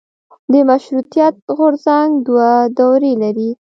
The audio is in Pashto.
د مشروطیت غورځنګ دوه دورې لري.